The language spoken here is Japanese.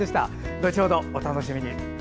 後ほどお楽しみに。